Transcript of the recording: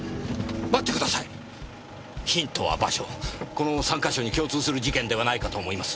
この３か所に共通する事件ではないかと思います。